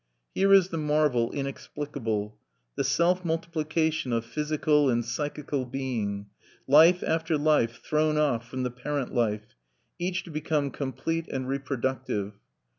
Here is the marvel inexplicable: the self multiplication of physical and psychical being, life after life thrown off from the parent life, each to become complete and reproductive.